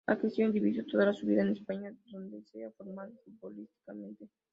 Ha crecido y vivido toda su vida en España, donde se ha formado futbolísticamente.